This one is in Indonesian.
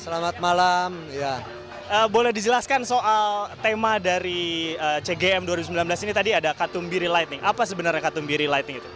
selamat malam boleh dijelaskan soal tema dari cgm dua ribu sembilan belas ini tadi ada katumbiri lighting apa sebenarnya katumbiri lighting itu